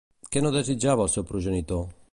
Què no desitjava el seu progenitor?